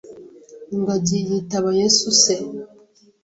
Ingagi yitaba yesu se?